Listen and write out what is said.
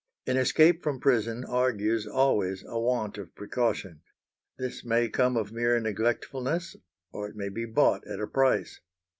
An escape from prison argues always a want of precaution. This may come of mere neglectfulness, or it may be bought at a price.